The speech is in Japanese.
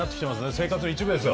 生活の一部ですよ。